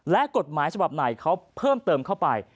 และกฎหมายฉบับไหนเขาเพิ่มเติมเข้าไป